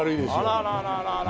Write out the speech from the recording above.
あらららら。